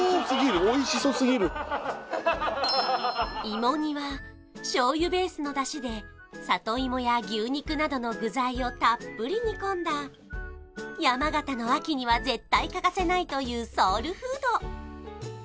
美味しそすぎる芋煮は醤油ベースの出汁で里芋や牛肉などの具材をたっぷり煮込んだ山形の秋には絶対欠かせないというソウルフード